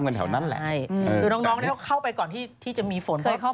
ช่วงหน้าค่ะก็มีข่าว